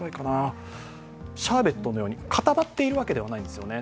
シャーベットのように固まっているわけではないんですよね。